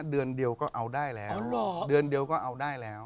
เดือนเดียวก็เอาได้แล้ว